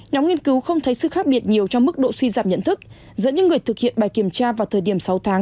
nhóm nghiên cứu không thấy sự khác biệt nhiều trong mức độ suy giảm nhận thức dẫn những người thực hiện bài kiểm tra vào thời điểm sáu tháng